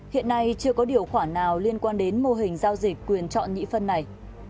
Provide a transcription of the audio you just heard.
hiện nay chưa có điều khoản nào liên quan đến mô hình giao dịch quyền chọn nhị phân này